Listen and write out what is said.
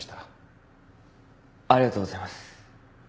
ありがとうございます。